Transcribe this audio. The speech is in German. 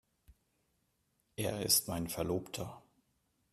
Er ist mein Verlobter.